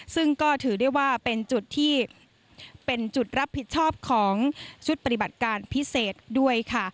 ซึ่งก็ถือได้ว่าเป็นที่รับผิดชอบของชุดปฏิบัติการพิเศษด้วย